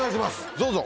どうぞ。